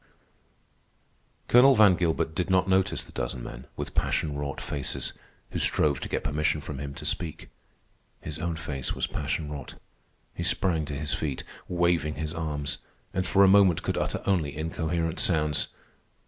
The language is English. Colonel Van Gilbert did not notice the dozen men, with passion wrought faces, who strove to get permission from him to speak. His own face was passion wrought. He sprang to his feet, waving his arms, and for a moment could utter only incoherent sounds.